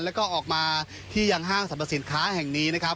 แล้วก็ออกมาที่ยังห้างสรรพสินค้าแห่งนี้นะครับ